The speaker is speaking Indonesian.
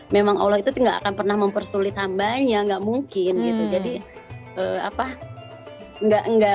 memang allah itu gak akan pernah mempersulit hambanya nggak mungkin gitu jadi apa enggak